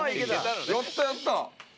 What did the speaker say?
やったやった！